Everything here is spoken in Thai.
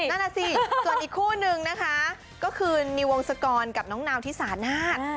นั่นน่ะสิส่วนอีกคู่นึงนะคะก็คือนิววงศกรกับน้องนาวที่สานาท